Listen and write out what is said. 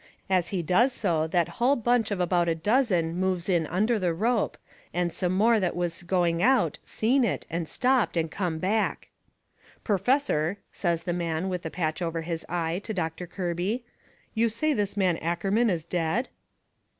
As he does so that hull bunch of about a dozen moves in under the rope, and some more that was going out seen it, and stopped and come back. "Perfessor," says the man with the patch over his eye to Doctor Kirby, "you say this man Ackerman is dead?"